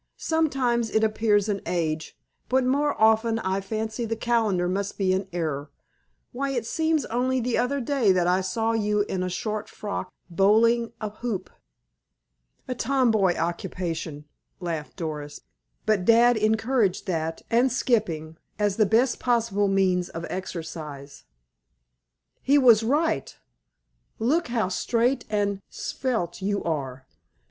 Sometimes, it appears an age, but more often I fancy the calendar must be in error. Why, it seems only the other day that I saw you in a short frock, bowling a hoop." "A tom boy occupation," laughed Doris. "But dad encouraged that and skipping, as the best possible means of exercise." "He was right. Look how straight and svelte you are!